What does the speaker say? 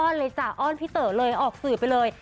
เลยจ้ะอ้อนพี่เต๋อเลยออกสื่อไปเลย